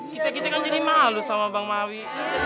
kita kita kan jadi malu sama bang mawi